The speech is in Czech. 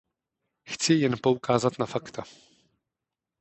Chci jen poukázat na fakta.